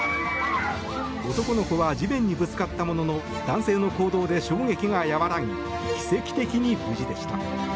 男の子は地面にぶつかったものの男性の行動で衝撃が和らぎ奇跡的に無事でした。